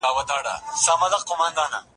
زه پرون د کتابتون لپاره کار کوم.